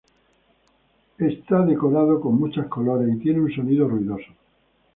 Es decorado con muchos colores y tiene un sonido ruidoso.